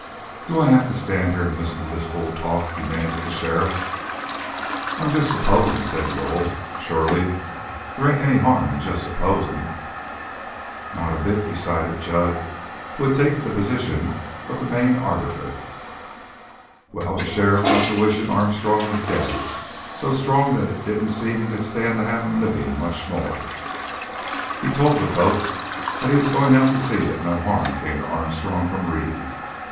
"Do I have to stand here and listen to this fool talk?" demanded the sheriff. "I'm just supposing," said Bull. "Surely they ain't any harm in just supposing?" "Not a bit," decided Jud, who had taken the position of main arbiter. "Well, the sheriff got to wishing Armstrong was dead so strong that it didn't seem he could stand to have him living much more. He told the folks that he was going out to see that no harm come to Armstrong from Reeve.